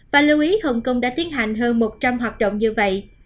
và lưu ý hồng kông đã tiến hành hơn một trăm linh hoạt động như vậy